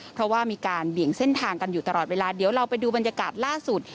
เพราะว่ามีการเบี่ยงเส้นทางกันอยู่ตลอดเวลาเดี๋ยวเราไปดูบรรยากาศล่าสุด